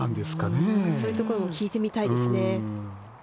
そういうことも聞いてみたいですね。